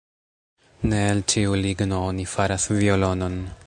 Ne el ĉiu ligno oni faras violonon.